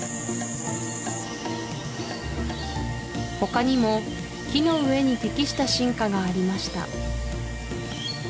他にも木の上に適した進化がありました